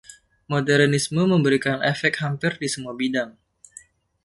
Modernisme memberikan efek hampir di semua bidang.